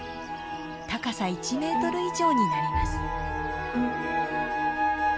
高さ１メートル以上になります。